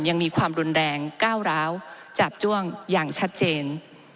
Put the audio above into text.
ยังมีความรุนแรงก้าวร้าวจาบจ้วงอย่างชัดเจน